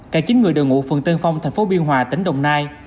cả chín người đều ngụ phường tân phong thành phố biên hòa tỉnh đồng nai